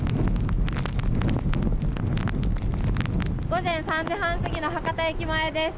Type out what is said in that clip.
午前３時半過ぎの博多駅前です。